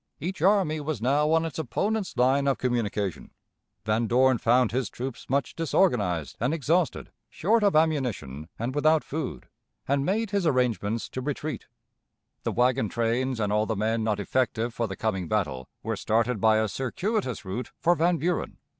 Each army was now on its opponent's line of communication. Van Dorn found his troops much disorganized and exhausted, short of ammunition, and without food, and made his arrangements to retreat. The wagon trains and all the men not effective for the coming battle were started by a circuitous route for Van Buren.